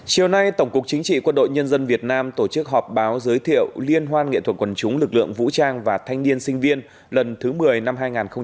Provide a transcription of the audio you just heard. chiều nay tổng cục chính trị quân đội nhân dân việt nam tổ chức họp báo giới thiệu liên hoan nghệ thuật quần chúng lực lượng vũ trang và thanh niên sinh viên lần thứ một mươi năm hai nghìn một mươi chín